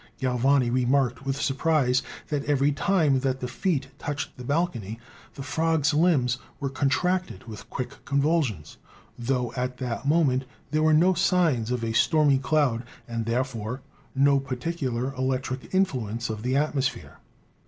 Galvani remarked with surprise that every time that the feet touched the balcony the frogs' limbs were contracted with quick con vulsions, tho at that moment there were no signs of a stormy cloud, and, therefore, no particular electric influ ence of the atmosphere."